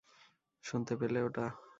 শুনতে পেলে এটা?